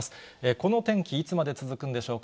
この天気いつまで続くんでしょうか。